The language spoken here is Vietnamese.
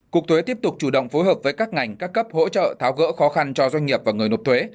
cục thuế tiếp tục chủ động phối hợp với các ngành các cấp hỗ trợ tháo gỡ khó khăn cho doanh nghiệp và người nộp thuế